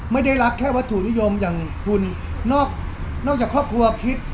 ไม่ได้รักแค่วัตถุนิยมอย่างคุณนอกจากครอบครัวคิด